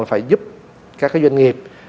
phải giúp các doanh nghiệp